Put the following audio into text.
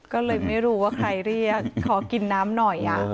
ก็เลยไม่รู้ว่าใครเรียกขอกินน้ำหน่อย